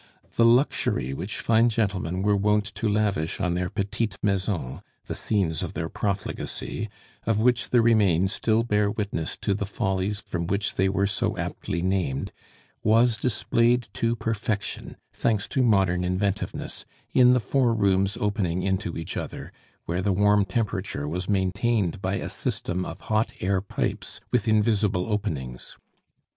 The luxury which fine gentlemen were wont to lavish on their petites maisons, the scenes of their profligacy, of which the remains still bear witness to the follies from which they were so aptly named, was displayed to perfection, thanks to modern inventiveness, in the four rooms opening into each other, where the warm temperature was maintained by a system of hot air pipes with invisible openings.